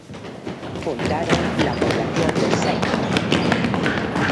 Fundaron la población de St.